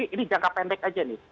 ini jangka pendek aja nih